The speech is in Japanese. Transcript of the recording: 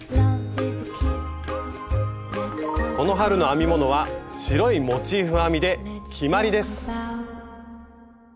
この春の編み物は白いモチーフ編みで決まりです！